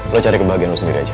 lo cari kebahagiaan lo sendiri aja